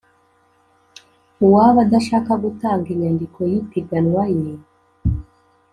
Uwaba adashaka gutanga inyandiko y ipiganwa ye